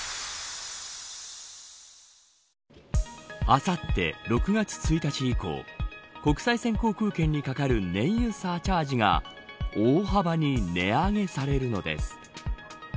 あさって、６月１日以降国際線航空券にかかる燃油サーチャージが大幅に値上げされるのです。